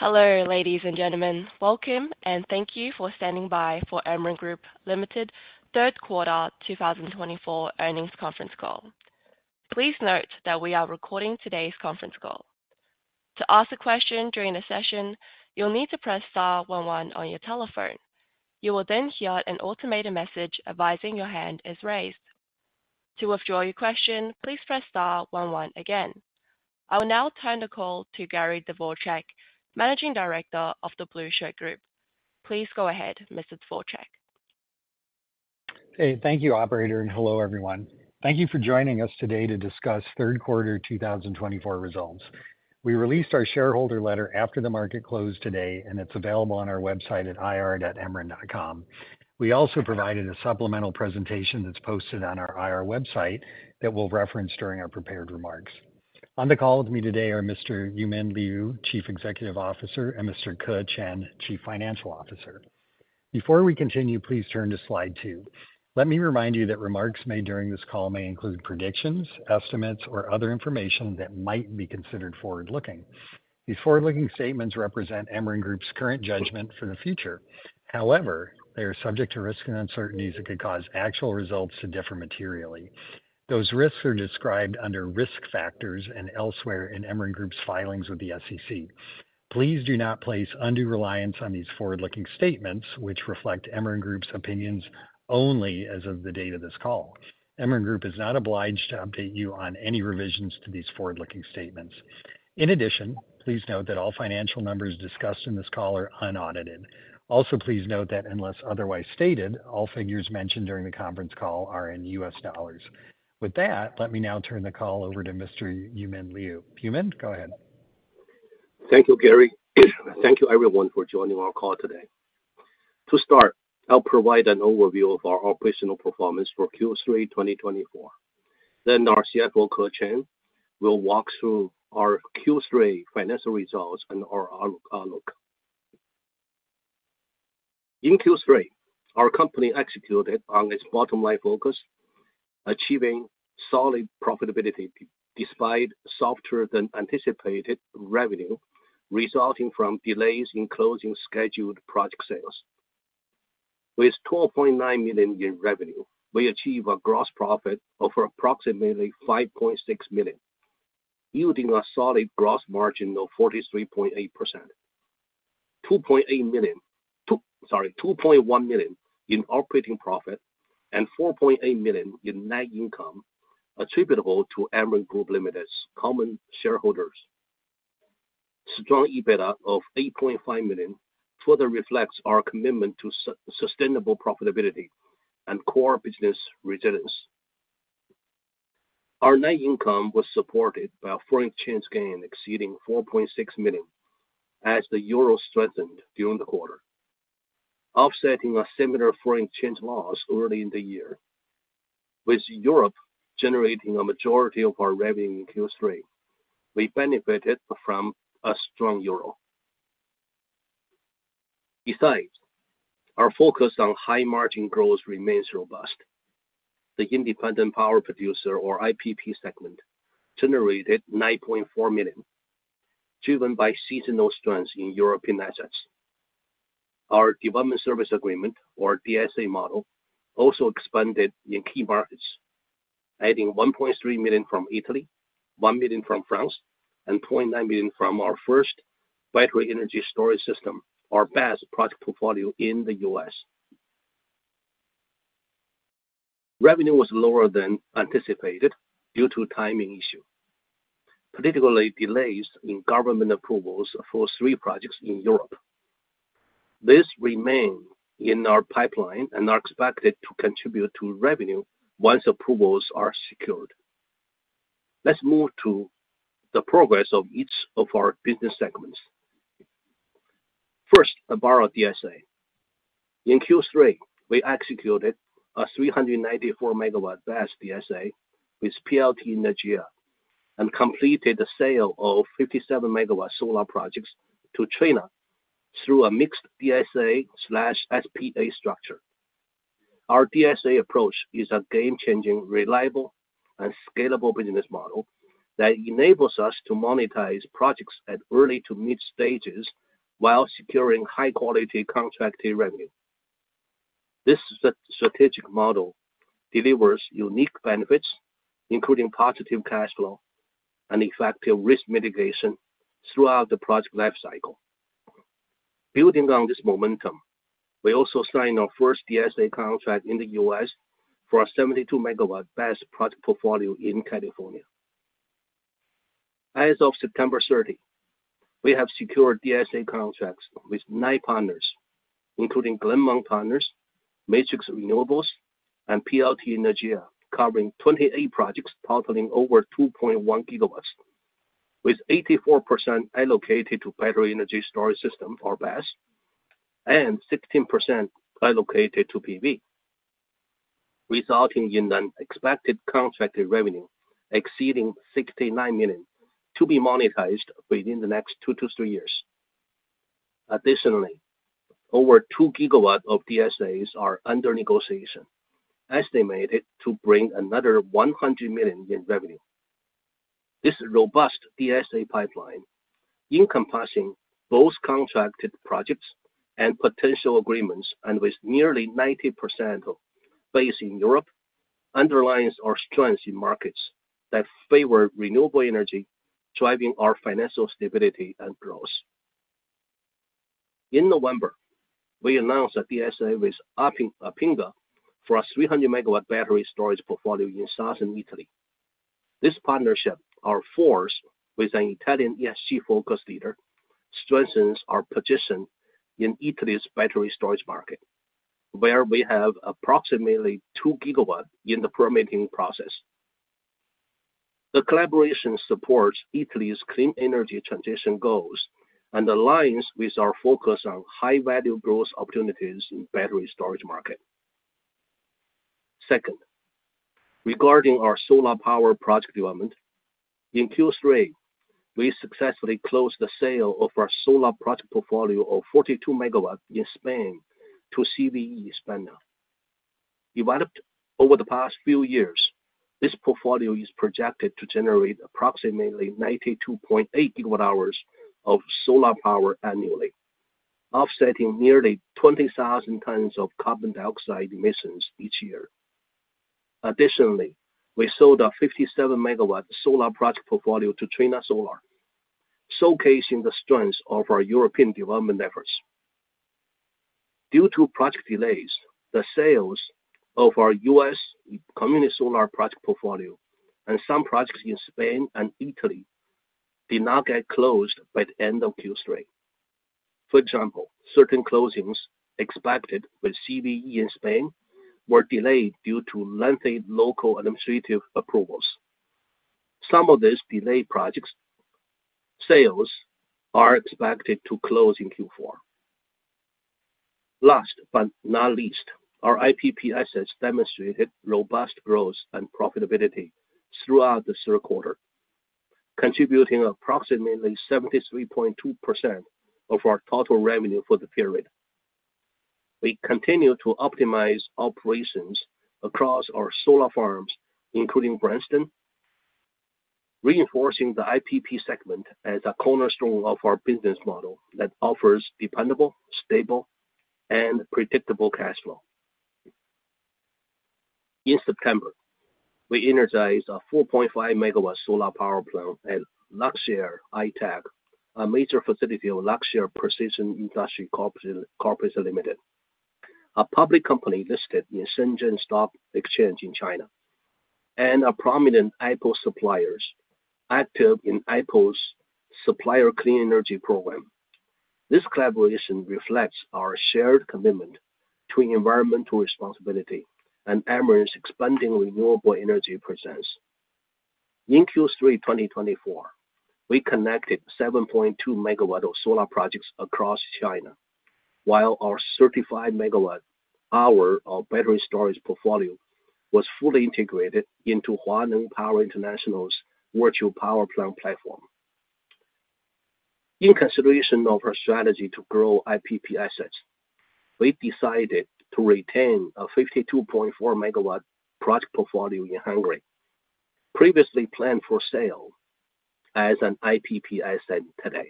Hello, ladies and gentlemen. Welcome, and thank you for standing by for Emeren Group Limited Third Quarter 2024 Earnings Conference Call. Please note that we are recording today's conference call. To ask a question during the session, you'll need to press star one one on your telephone. You will then hear an automated message advising your hand is raised. To withdraw your question, please press star one one again. I will now turn the call to Gary Dvorchak, Managing Director of the Blue Shirt Group. Please go ahead, Mr. Dvorchak. Hey, thank you, Operator, and hello, everyone. Thank you for joining us today to discuss third quarter 2024 results. We released our shareholder letter after the market closed today, and it's available on our website at ir.emeren.com. We also provided a supplemental presentation that's posted on our IR website that we'll reference during our prepared remarks. On the call with me today are Mr. Yumin Liu, Chief Executive Officer, and Mr. Ke Chen, Chief Financial Officer. Before we continue, please turn to slide two. Let me remind you that remarks made during this call may include predictions, estimates, or other information that might be considered forward-looking. These forward-looking statements represent Emeren Group's current judgment for the future. However, they are subject to risks and uncertainties that could cause actual results to differ materially. Those risks are described under risk factors and elsewhere in Emeren Group's filings with the SEC. Please do not place undue reliance on these forward-looking statements, which reflect Emeren Group's opinions only as of the date of this call. Emeren Group is not obliged to update you on any revisions to these forward-looking statements. In addition, please note that all financial numbers discussed in this call are unaudited. Also, please note that unless otherwise stated, all figures mentioned during the conference call are in U.S. dollars. With that, let me now turn the call over to Mr. Yumin Liu. Yumin, go ahead. Thank you, Gary. Thank you, everyone, for joining our call today. To start, I'll provide an overview of our operational performance for Q3 2024. Then our CFO, Ke Chen, will walk through our Q3 financial results and our outlook. In Q3, our company executed on its bottom-line focus, achieving solid profitability despite softer-than-anticipated revenue resulting from delays in closing scheduled project sales. With $12.9 million in revenue, we achieved a gross profit of approximately $5.6 million, yielding a solid gross margin of 43.8%. $2.8 million, sorry, $2.1 million in operating profit and $4.8 million in net income attributable to Emeren Group Limited's common shareholders. Strong EBITDA of $8.5 million further reflects our commitment to sustainable profitability and core business resilience. Our net income was supported by a foreign exchange gain exceeding $4.6 million as the euro strengthened during the quarter, offsetting a similar foreign exchange loss early in the year. With Europe generating a majority of our revenue in Q3, we benefited from a strong euro. Besides, our focus on high-margin growth remains robust. The Independent Power Producer, or IPP, segment generated $9.4 million, driven by seasonal strengths in European assets. Our Development Service Agreement, or DSA model, also expanded in key markets, adding $1.3 million from Italy, $1 million from France, and $0.9 million from our first Battery Energy Storage System, our BESS project portfolio in the U.S. Revenue was lower than anticipated due to timing issues, particularly delays in government approvals for three projects in Europe. This remains in our pipeline and is expected to contribute to revenue once approvals are secured. Let's move to the progress of each of our business segments. First, about our DSA. In Q3, we executed a 394 MW BESS DSA with PLT energia and completed the sale of 57 MW solar projects to Trina Solar through a mixed DSA/SPA structure. Our DSA approach is a game-changing, reliable, and scalable business model that enables us to monetize projects at early to mid stages while securing high-quality contract revenue. This strategic model delivers unique benefits, including positive cash flow and effective risk mitigation throughout the project lifecycle. Building on this momentum, we also signed our first DSA contract in the U.S. for a 72 MW BESS project portfolio in California. As of September 30, we have secured DSA contracts with nine partners, including Glennmont Partners, Matrix Renewables, and PLT energia, covering 28 projects totaling over 2.1 GW, with 84% allocated to Battery Energy Storage ystems, or BESS, and 16% allocated to PV, resulting in an expected contract revenue exceeding $69 million to be monetized within the next two to three years. Additionally, over 2 GW of DSAs are under negotiation, estimated to bring another $100 million in revenue. This robust DSA pipeline, encompassing both contracted projects and potential agreements, and with nearly 90% based in Europe, underlines our strengths in markets that favor renewable energy, driving our financial stability and growth. In November, we announced a DSA with Arpinge for a 300 MW Battery Storage Portfolio in Southern Italy. This partnership, our first with an Italian ESG-focused leader, strengthens our position in Italy's battery storage market, where we have approximately 2 GW in the permitting process. The collaboration supports Italy's clean energy transition goals and aligns with our focus on high-value growth opportunities in the battery storage market. Second, regarding our solar power project development, in Q3, we successfully closed the sale of our solar project portfolio of 42 MW in Spain to CVE España. Developed over the past few years, this portfolio is projected to generate approximately 92.8 GW hours of solar power annually, offsetting nearly 20,000 tons of carbon dioxide emissions each year. Additionally, we sold a 57 MW solar project portfolio to Trina Solar, showcasing the strength of our European development efforts. Due to project delays, the sales of our U.S. community solar project portfolio and some projects in Spain and Italy did not get closed by the end of Q3. For example, certain closings expected with CVE in Spain were delayed due to lengthy local administrative approvals. Some of these delayed project sales are expected to close in Q4. Last but not least, our IPP assets demonstrated robust growth and profitability throughout the third quarter, contributing approximately 73.2% of our total revenue for the period. We continue to optimize operations across our solar farms, including Branston, reinforcing the IPP segment as a cornerstone of our business model that offers dependable, stable, and predictable cash flow. In September, we energized a 4.5 MW solar power plant at Luxshare iTech, a major facility of Luxshare Precision Industry Co., Limited, a public company listed in Shenzhen Stock Exchange in China, and a prominent Apple supplier active in Apple's Supplier Clean Energy Program. This collaboration reflects our shared commitment to environmental responsibility and Emeren's expanding renewable energy presence. In Q3 2024, we connected 7.2 MW of solar projects across China, while our 35 MW hour of battery storage portfolio was fully integrated into Huaneng Power International's Virtual Power Plant platform. In consideration of our strategy to grow IPP assets, we decided to retain a 52.4 MW project portfolio in Hungary, previously planned for sale as an IPP asset today.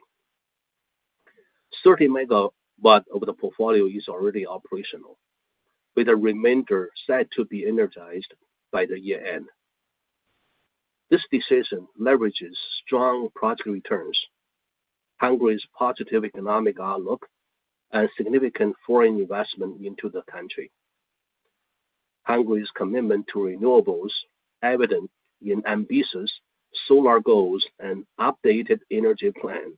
30 MWs of the portfolio is already operational, with the remainder set to be energized by the year-end. This decision leverages strong project returns, Hungary's positive economic outlook, and significant foreign investment into the country. Hungary's commitment to renewables, evident in ambitious solar goals and updated energy plan,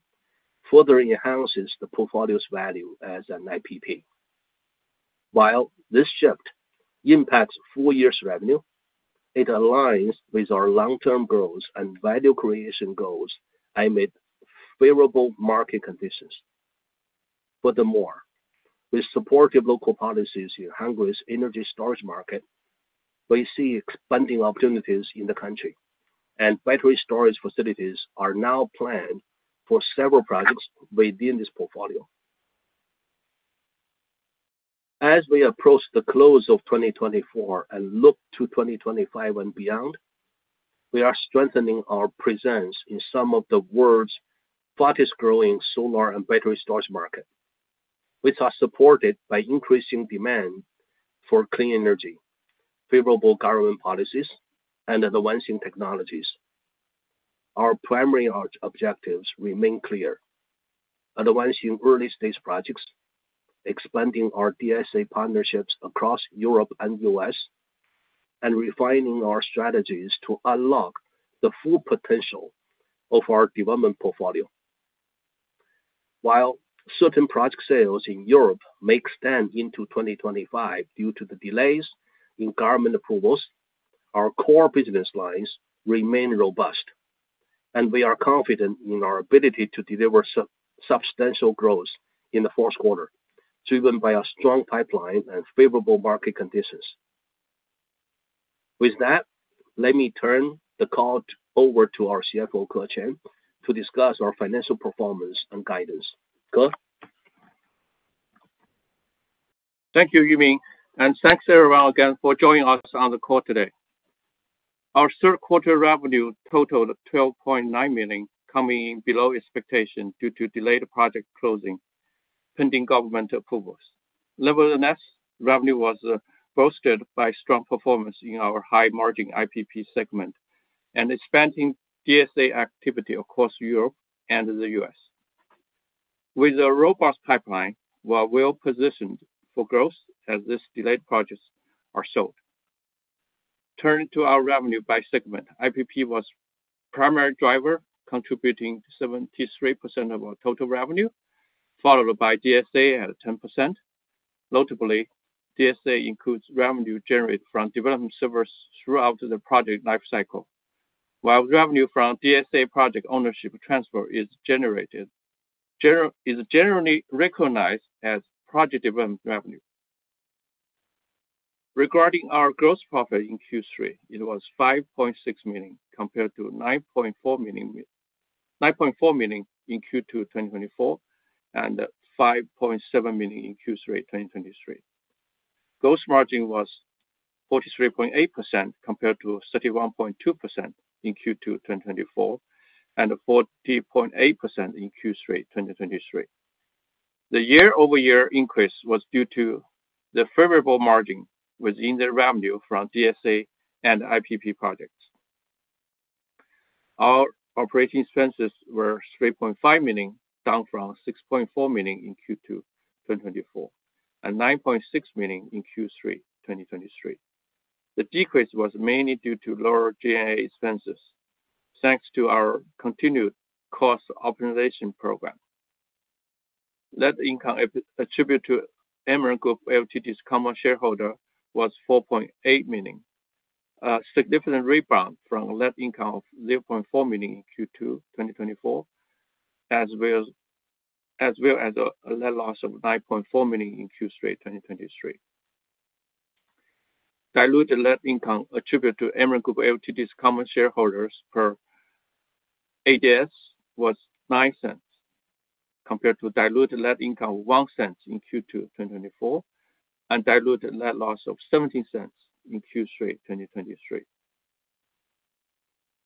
further enhances the portfolio's value as an IPP. While this shift impacts four years' revenue, it aligns with our long-term growth and value creation goals amid favorable market conditions. Furthermore, with supportive local policies in Hungary's energy storage market, we see expanding opportunities in the country, and battery storage facilities are now planned for several projects within this portfolio. As we approach the close of 2024 and look to 2025 and beyond, we are strengthening our presence in some of the world's fastest-growing solar and battery storage markets, which are supported by increasing demand for clean energy, favorable government policies, and advancing technologies. Our primary objectives remain clear: advancing early-stage projects, expanding our DSA partnerships across Europe and the U.S., and refining our strategies to unlock the full potential of our development portfolio. While certain project sales in Europe may extend into 2025 due to the delays in government approvals, our core business lines remain robust, and we are confident in our ability to deliver substantial growth in the fourth quarter, driven by a strong pipeline and favorable market conditions. With that, let me turn the call over to our CFO, Ke Chen, to discuss our financial performance and guidance. Ke? Thank you, Yumin, and thanks everyone again for joining us on the call today. Our third-quarter revenue totaled $12.9 million, coming in below expectations due to delayed project closing pending government approvals. Nevertheless, revenue was boosted by strong performance in our high-margin IPP segment and expanding DSA activity across Europe and the U.S. With a robust pipeline, we are well-positioned for growth as these delayed projects are sold. Turning to our revenue by segment, IPP was the primary driver, contributing 73% of our total revenue, followed by DSA at 10%. Notably, DSA includes revenue generated from development service throughout the project lifecycle, while revenue from DSA project ownership transfer is generally recognized as project development revenue. Regarding our gross profit in Q3, it was $5.6 million compared to $9.4 million in Q2 2024 and $5.7 million in Q3 2023. Gross margin was 43.8% compared to 31.2% in Q2 2024 and 40.8% in Q3 2023. The year-over-year increase was due to the favorable margin within the revenue from DSA and IPP projects. Our operating expenses were $3.5 million, down from $6.4 million in Q2 2024 and $9.6 million in Q3 2023. The decrease was mainly due to lower G&A expenses, thanks to our continued cost optimization program. Net income attributed to Emeren Group Ltd.'s common shareholder was $4.8 million, a significant rebound from net income of $0.4 million in Q2 2024, as well as a net loss of $9.4 million in Q3 2023. Diluted net income attributed to Emeren Group Ltd.'s common shareholders per ADS was $0.09 compared to diluted net income of $0.01 in Q2 2024 and diluted net loss of $0.17 in Q3 2023.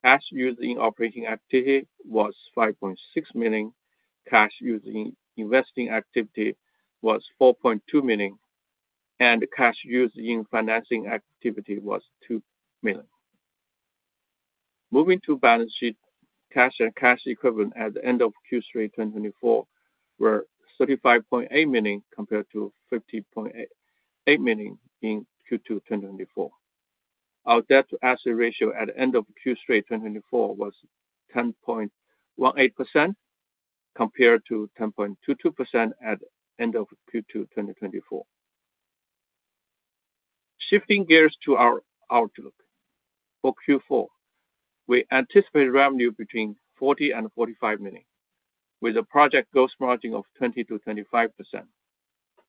Cash used in operating activity was $5.6 million, cash used in investing activity was $4.2 million, and cash used in financing activity was $2 million. Moving to balance sheet, cash and cash equivalent at the end of Q3 2024 were $35.8 million compared to $50.8 million in Q2 2024. Our debt-to-asset ratio at the end of Q3 2024 was 10.18% compared to 10.22% at the end of Q2 2024. Shifting gears to our outlook for Q4, we anticipate revenue between $40 and $45 million with a project gross margin of 20%-25%,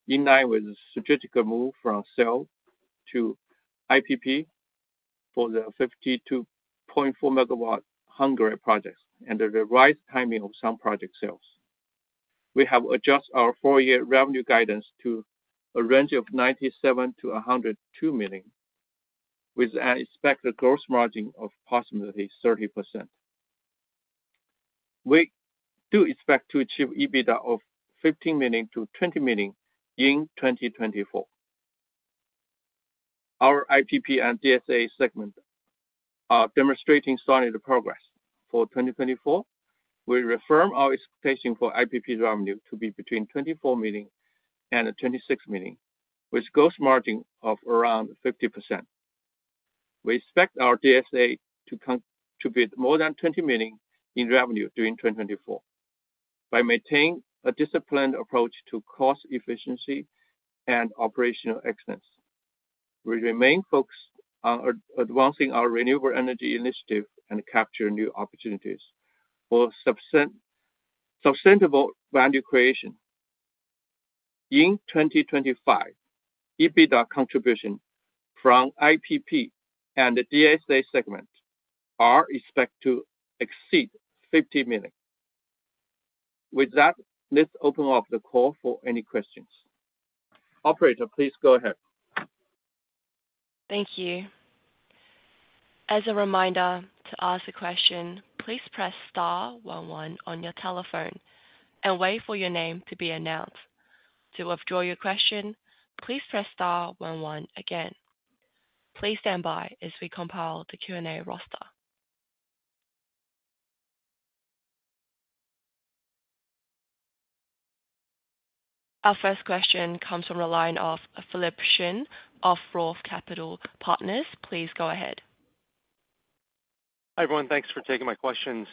in line with the strategic move from sale to IPP for the 52.4 MW Hungary projects and the revised timing of some project sales. We have adjusted our four-year revenue guidance to a range of $97 million-$102 million, with an expected gross margin of approximately 30%. We do expect to achieve EBITDA of $15 million-$20 million in 2024. Our IPP and DSA segments are demonstrating solid progress for 2024. We reaffirm our expectation for IPP revenue to be between $24 million and $26 million, with a gross margin of around 50%. We expect our DSA to contribute more than $20 million in revenue during 2024 by maintaining a disciplined approach to cost efficiency and operational excellence. We remain focused on advancing our renewable energy initiative and capturing new opportunities for substantial value creation. In 2025, EBITDA contributions from IPP and the DSA segment are expected to exceed $50 million. With that, let's open up the call for any questions. Operator, please go ahead. Thank you. As a reminder to ask a question, please press star one one on your telephone and wait for your name to be announced. To withdraw your question, please press star one one again. Please stand by as we compile the Q&A roster. Our first question comes from the line of Philip Shen of Roth Capital Partners. Please go ahead. Hi, everyone. Thanks for taking my questions.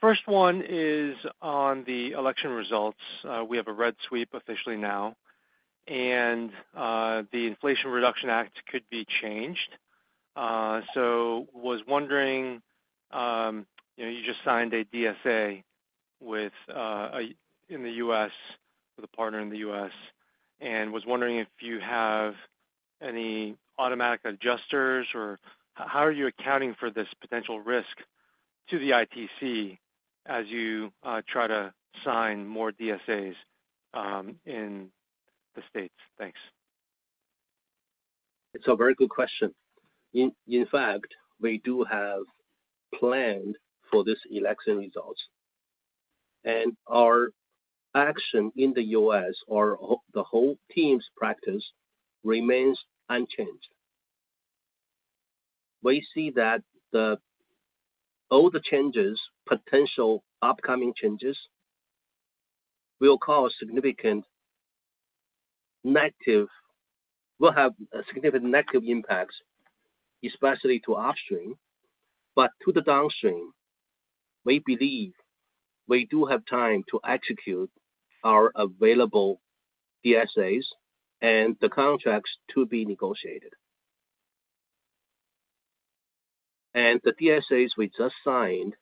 First one is on the election results. We have a red sweep officially now, and the Inflation Reduction Act could be changed. So I was wondering, you just signed a DSA in the U.S. with a partner in the U.S., and I was wondering if you have any automatic adjusters, or how are you accounting for this potential risk to the ITC as you try to sign more DSAs in the States? Thanks. It's a very good question. In fact, we do have plans for these election results, and our action in the U.S. or the whole team's practice remains unchanged. We see that all the changes, potential upcoming changes, will cause significant negative impacts, especially to upstream. But to the downstream, we believe we do have time to execute our available DSAs and the contracts to be negotiated, and the DSAs we just signed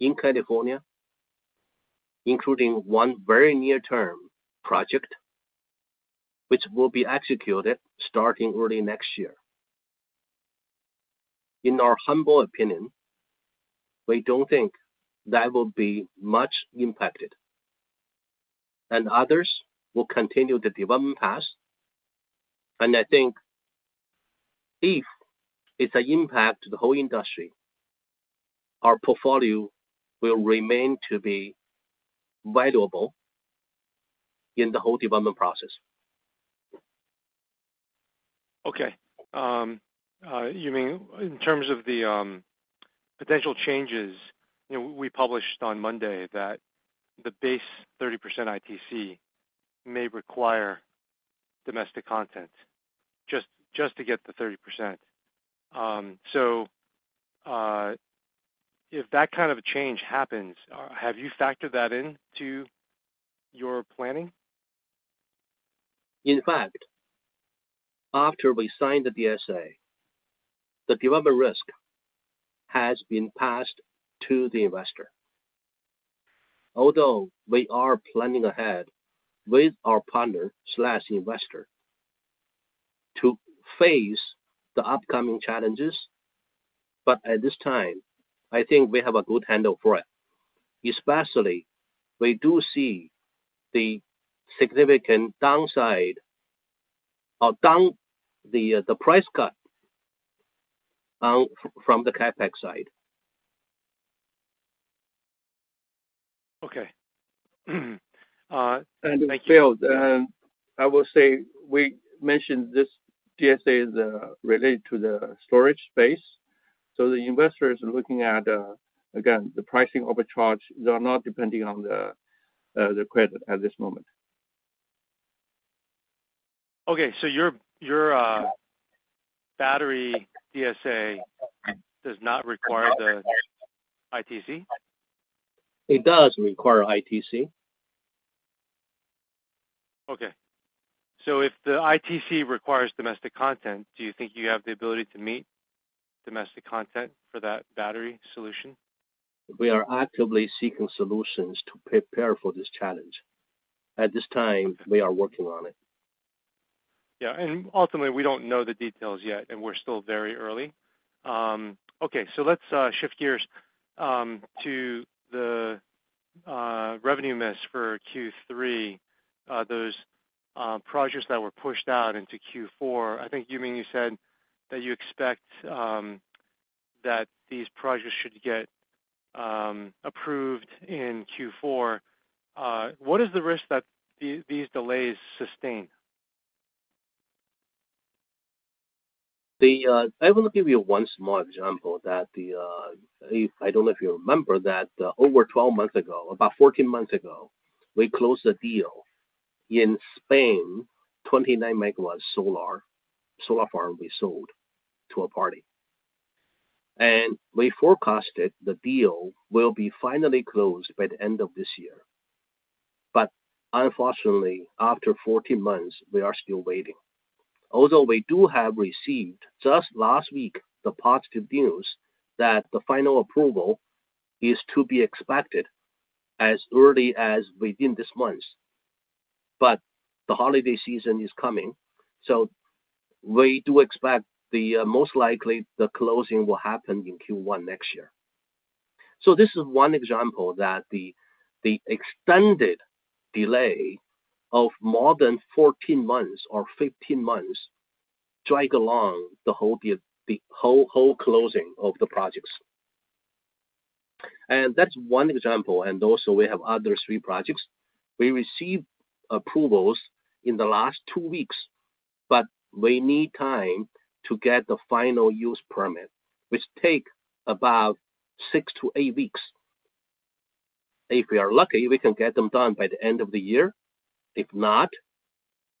in California, including one very near-term project, which will be executed starting early next year. In our humble opinion, we don't think that will be much impacted, and others will continue the development path, and I think if it's an impact to the whole industry, our portfolio will remain to be valuable in the whole development process. Okay. Yumin, in terms of the potential changes, we published on Monday that the base 30% ITC may require domestic content just to get the 30%. So if that kind of a change happens, have you factored that into your planning? In fact, after we signed the DSA, the development risk has been passed to the investor. Although we are planning ahead with our partner/investor to face the upcoming challenges, but at this time, I think we have a good handle for it, especially we do see the significant downside of the price cut from the CapEx side. Okay. Phil, I will say we mentioned this DSA is related to the storage space. The investor is looking at, again, the pricing overcharge. They are not depending on the credit at this moment. Okay. So your battery DSA does not require the ITC? It does require ITC. Okay. So if the ITC requires domestic content, do you think you have the ability to meet domestic content for that battery solution? We are actively seeking solutions to prepare for this challenge. At this time, we are working on it. Yeah. And ultimately, we don't know the details yet, and we're still very early. Okay. So let's shift gears to the revenue miss for Q3, those projects that were pushed out into Q4. I think, Yumin, you said that you expect that these projects should get approved in Q4. What is the risk that these delays sustain? I want to give you one small example that I don't know if you remember that over 12 months ago, about 14 months ago, we closed a deal in Spain, 29 MWs solar farm we sold to a party, and we forecasted the deal will be finally closed by the end of this year, but unfortunately, after 14 months, we are still waiting. Although we do have received just last week the positive news that the final approval is to be expected as early as within this month, but the holiday season is coming, so we do expect the most likely the closing will happen in Q1 next year, so this is one example that the extended delay of more than 14 months or 15 months drag along the whole closing of the projects, and that's one example, and also, we have other three projects. We received approvals in the last two weeks, but we need time to get the final use permit, which takes about six to eight weeks. If we are lucky, we can get them done by the end of the year. If not,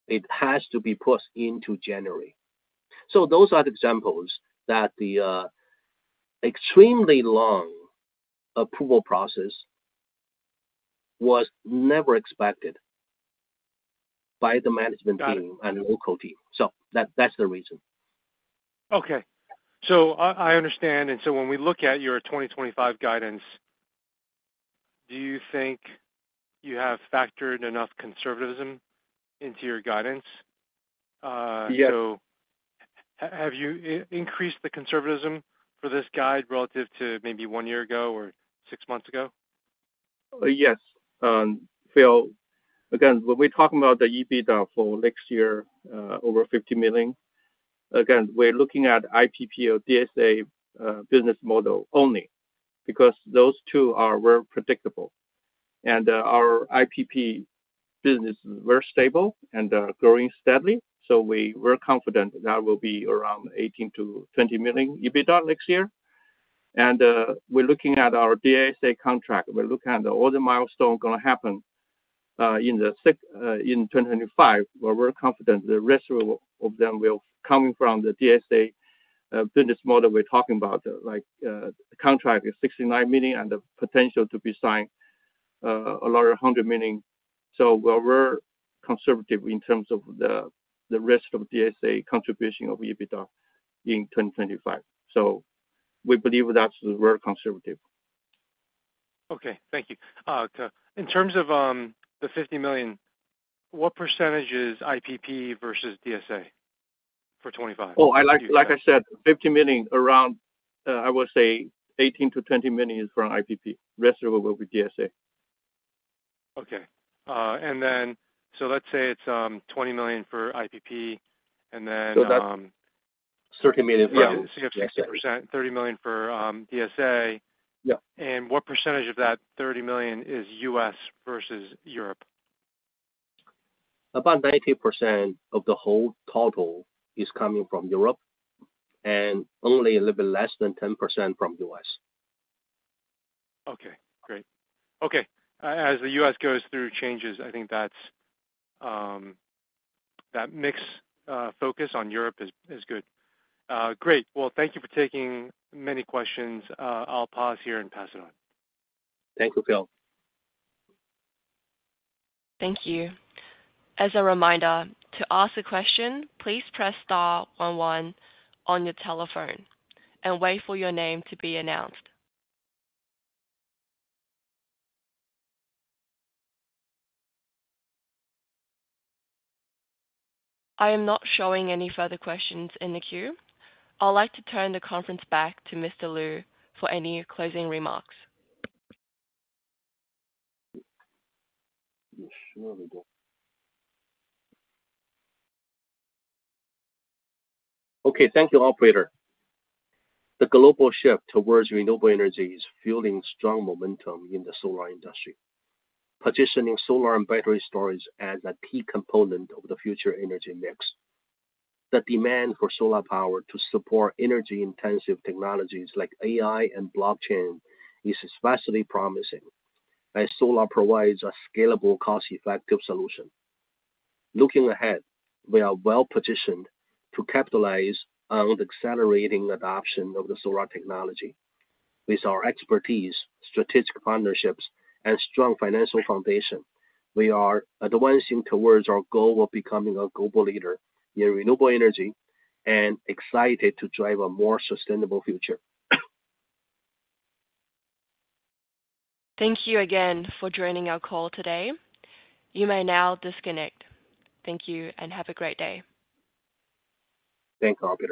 it has to be pushed into January. So those are the examples that the extremely long approval process was never expected by the management team and local team. So that's the reason. Okay, so I understand and so when we look at your 2025 guidance, do you think you have factored enough conservatism into your guidance? Yes. So have you increased the conservatism for this guide relative to maybe one year ago or six months ago? Yes. Again, when we're talking about the EBITDA for next year, over $50 million, again, we're looking at IPP or DSA business model only because those two are very predictable. And our IPP business is very stable and growing steadily. So we're confident that will be around $18 million-$20 million EBITDA next year. And we're looking at our DSA contract. We're looking at all the milestones going to happen in 2025. We're very confident the rest of them will come from the DSA business model we're talking about, like contract is $69 million and the potential to be signed another $100 million. So we're very conservative in terms of the rest of DSA contribution of EBITDA in 2025. So we believe that's very conservative. Okay. Thank you. In terms of the $50 million, what percentage is IPP versus DSA for 2025? Oh, like I said, $50 million around, I would say, $18 million-$20 million is for IPP. The rest will be DSA. Okay. And then so let's say it's $20 million for IPP, and then. That's $30 million for US. Yeah. 60%, $30 million for DSA. And what percentage of that $30 million is U.S. versus Europe? About 90% of the whole total is coming from Europe, and only a little bit less than 10% from U.S. Okay. Great. Okay. As the U.S. goes through changes, I think that mixed focus on Europe is good. Great. Well, thank you for taking many questions. I'll pause here and pass it on. Thank you, Phil. Thank you. As a reminder, to ask a question, please press star one one on your telephone and wait for your name to be announced. I am not showing any further questions in the queue. I'd like to turn the conference back to Mr. Liu for any closing remarks. Okay. Thank you, Operator. The global shift towards renewable energy is fueling strong momentum in the solar industry, positioning solar and battery storage as a key component of the future energy mix. The demand for solar power to support energy-intensive technologies like AI and blockchain is especially promising as solar provides a scalable, cost-effective solution. Looking ahead, we are well-positioned to capitalize on the accelerating adoption of the solar technology. With our expertise, strategic partnerships, and strong financial foundation, we are advancing towards our goal of becoming a global leader in renewable energy and excited to drive a more sustainable future. Thank you again for joining our call today. You may now disconnect. Thank you and have a great day. Thank you, Operator.